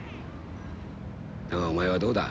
だがお前はどうだ。